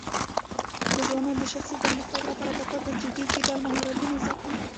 د ځوانانو د شخصي پرمختګ لپاره پکار ده چې ډیجیټل مهارتونه زده کړي.